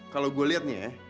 kalau gue lihat nih ya